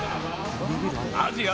アジア